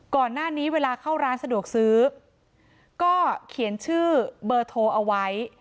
ก่อนหน้านี้เวลาเข้าร้านสะดวกซื้อก็เขียนชื่อเบอร์โทรเอาไว้